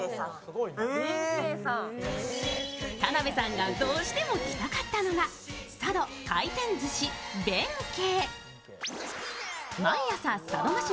田辺さんがどうしても来たかったのは佐渡回転寿司弁慶。